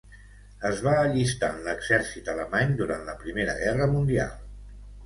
Es va allistar en l'exèrcit alemany durant la Primera Guerra mundial.